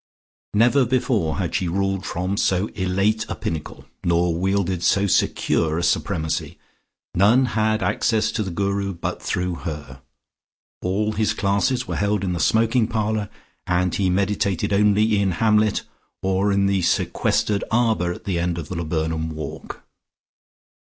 Never before had she ruled from so elate a pinnacle, nor wielded so secure a supremacy. None had access to the Guru but through her: all his classes were held in the smoking parlour and he meditated only in Hamlet or in the sequestered arbour at the end of the laburnum walk.